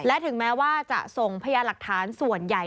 และถึงแม้ว่าจะส่งพยานหลักฐานส่วนใหญ่